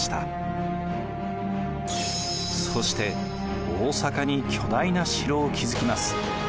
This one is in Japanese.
そして大坂に巨大な城を築きます。